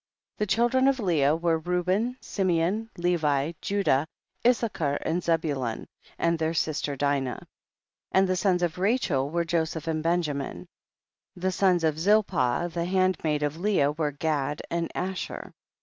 2. The children of Leah were Reuben, Simeon, Levi, Judah, Issa char and Zebulun, and their sister Dinah. 3. And the sons of Rachel were Joseph and Benjamin. 4. And the sons of Zilpah, the handmaid of Leah, were Gad and Asher.